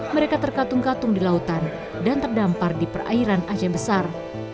mereka terkatung katung di lautan dan terdampar di perairan aceh besar